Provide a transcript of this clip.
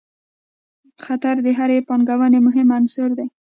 خطر د هرې پانګونې مهم عنصر دی.